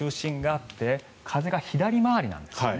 台風の中心があって風が左回りなんですね。